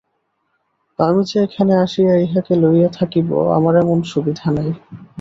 আমি যে এখানে আসিয়া ইঁহাকে লইয়া থাকিব, আমার এমন সুবিধা নাই।